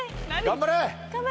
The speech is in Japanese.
頑張れ。